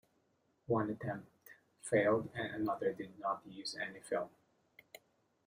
One attempt failed and another did not use any film.